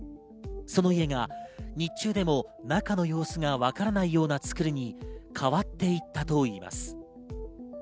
その家が、日中でも中の様子がわからないような作りに変わっていったといいます。